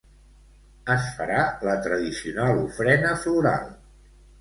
Es farà la tradicional ofrena floral.